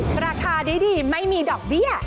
ราคาดีไม่มีดอกเบี้ย